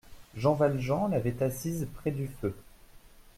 Jean Valjean l'avait assise près du feu.